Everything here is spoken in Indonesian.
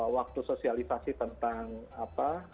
waktu sosialisasi tentang pemakaian helm